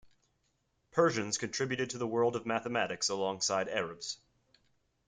Persians contributed to the world of Mathematics alongside Arabs.